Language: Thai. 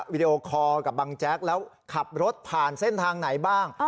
วิดีโอคอร์กับบังแจ๊กแล้วขับรถผ่านเส้นทางไหนบ้าง